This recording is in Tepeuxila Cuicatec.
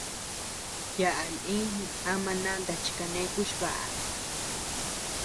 Yaa lï ama nanta chi kane kuchba.